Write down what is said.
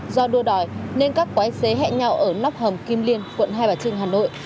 do đua đòi nên các quá xế hẹn nhau ở lóc hầm kim liên quận hai bà trưng hà nội